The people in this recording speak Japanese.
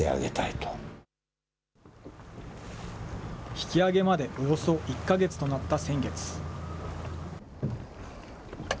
引き揚げまでおよそ１か月となった先月。